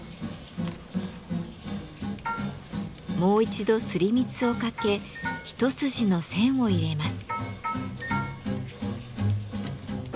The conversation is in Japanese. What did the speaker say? もう一度すり蜜をかけ一筋の線を入れます。